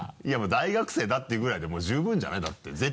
いや大学生だっていうぐらいでもう十分じゃない？だって。